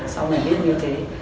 xong rồi biết như thế